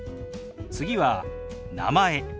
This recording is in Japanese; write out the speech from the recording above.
次は「名前」。